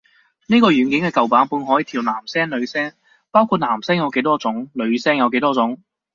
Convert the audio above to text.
呢個軟件嘅舊版本可以調男聲女聲，包括男聲有幾多種女聲有幾多種